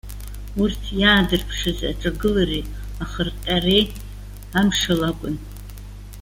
Урҭ иаадырԥшыз аҿагылареи ахырҟьареи амшала акәын.